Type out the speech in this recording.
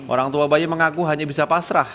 orang tua bayi mengaku hanya bisa pasrah